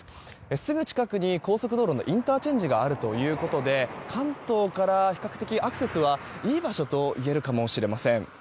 すぐ近くに高速道路のインターチェンジがあるということで関東から比較的アクセスはいい場所と言えるかもしれません。